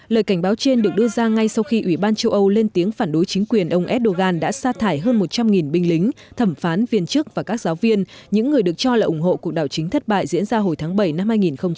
lời cảnh báo trên được đưa ra ngay sau khi ủy ban châu âu lên tiếng phản đối chính quyền ông erdogan đã xa thải hơn một trăm linh binh lính thẩm phán viên chức và các giáo viên những người được cho là ủng hộ cuộc đảo chính thất bại diễn ra hồi tháng bảy năm hai nghìn một mươi chín